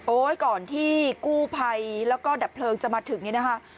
โอ๊ยก่อนที่กู้ไพแล้วก็ดับเพลิงจะมาถึงนี่นะฮะ